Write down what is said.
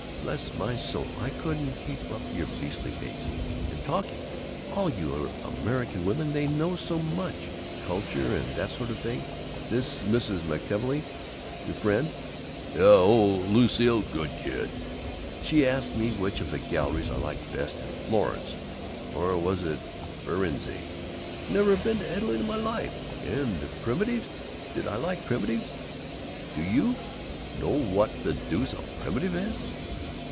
Bless my soul, I couldn't keep up your beastly pace! And talking! All your American women, they know so much culture and that sort of thing. This Mrs. McKelvey your friend " "Yuh, old Lucile. Good kid." " she asked me which of the galleries I liked best in Florence. Or was it in Firenze? Never been in Italy in my life! And primitives. Did I like primitives. Do you know what the deuce a primitive is?"